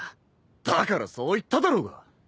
だからそう言っただろうが！